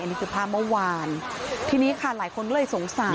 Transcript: อันนี้คือพระมัววาลทีนี้ค่ะหลายคนเลยสงสัย